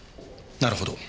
なるほど。